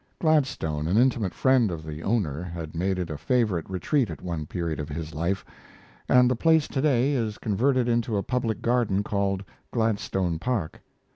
Gladstone, an intimate friend of the owner, had made it a favorite retreat at one period of his life, and the place to day is converted into a public garden called Gladstone Park.